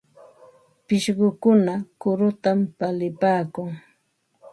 Pishqukuna kurutam palipaakun.